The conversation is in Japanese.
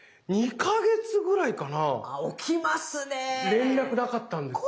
連絡なかったんですよ。